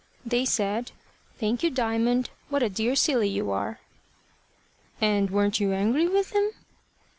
"They said `Thank you, Diamond. What a dear silly you are!'" "And weren't you angry with them?"